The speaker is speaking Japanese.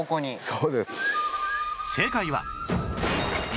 そうです。